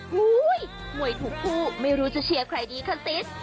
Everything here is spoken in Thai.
โห้ยมวยทุกผู้ไม่รู้จะเชียร์ใครดีค่ะติ๊ด